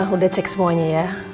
udah cek semuanya ya